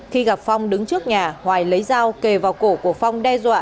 khi gặp phong đứng trước nhà hoài lấy dao kề vào cổ của phong đe dọa